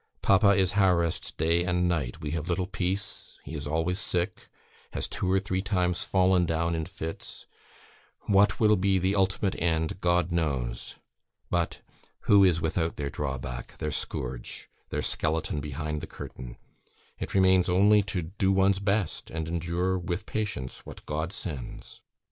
... Papa is harassed day and night; we have little peace, he is always sick; has two or three times fallen down in fits; what will be the ultimate end, God knows. But who is without their drawback, their scourge, their skeleton behind the curtain? It remains only to do one's best, and endure with patience what God sends."